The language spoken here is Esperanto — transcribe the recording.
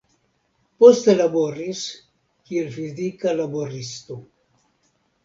Poste laboris kiel fizika laboristo.